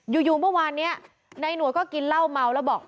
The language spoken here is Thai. อยู่เมื่อวานนี้นายหน่วยก็กินเหล้าเมาแล้วบอก